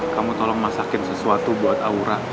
kamu tolong masakin sesuatu buat aura